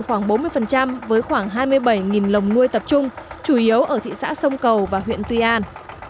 khoảng bốn mươi với khoảng hai mươi bảy lồng nuôi tập trung chủ yếu ở thị xã sông cầu và huyện tuy an